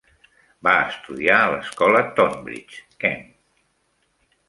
Va estudiar a l'escola Tonbridge, Kent.